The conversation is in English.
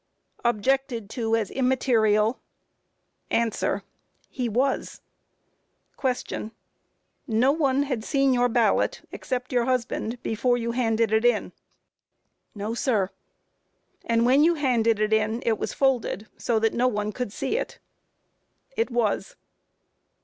Objected to as immaterial. A. He was. Q. No one had seen your ballot except your husband before you handed it in? A. No, sir. Q. And when you handed it in it was folded, so that no one could see it? A. It was.